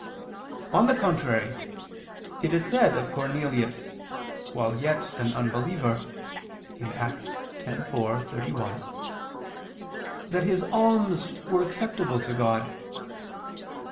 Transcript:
On the contrary, It is said of Cornelius, while yet an unbeliever (Acts 10:4, 31), that his alms were acceptable to God.